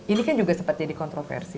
ini kan juga sempat jadi kontroversi